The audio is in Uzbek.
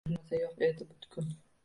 Bizning oramizda yo’q edi butkul